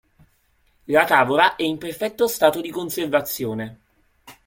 La tavola è in perfetto stato di conservazione.